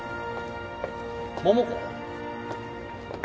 桃子？